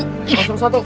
tekok suruh satu